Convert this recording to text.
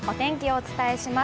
お伝えします。